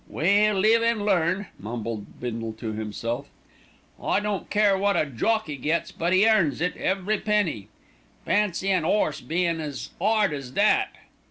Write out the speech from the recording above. "Well, live 'an learn," mumbled Bindle to himself. "I don't care wot a jockey gets; but 'e earns it, every penny. Fancy an 'orse bein' as 'ard as that.